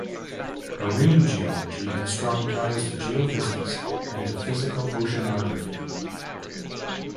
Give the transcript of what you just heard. Marine geology has strong ties to geophysics and to physical oceanography.